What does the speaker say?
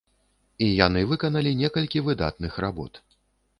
І яны выканалі некалькі выдатных работ.